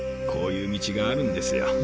こういう道があるんですよ。